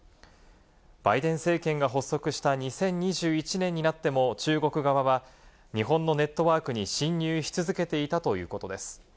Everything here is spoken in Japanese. バイデン政権が発足した２０２１年になっても中国側は日本のネットワークに侵入し続けていたということです。